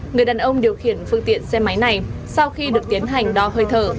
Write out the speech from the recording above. người đàn ông điều khiển phương tiện xe máy này sau khi được tiến hành đo hơi thở